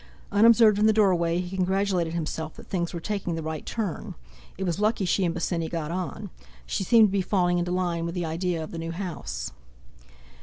Unobserved in the doorway, he congratulated himself that things were taking the right turn. It was lucky she and Bosinney got on; she seemed to be falling into line with the idea of the new house.